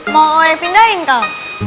mau oe pindahin kau